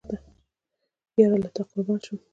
یاره له تا قربان شم